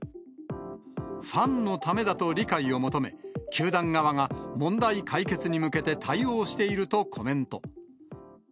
ファンのためだと理解を求め、球団側が問題解決に向けて対応しているとコメント。